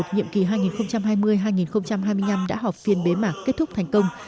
nhiệm kỳ hai nghìn hai mươi hai nghìn hai mươi năm đã họp phiên bế mạc kết thúc thành công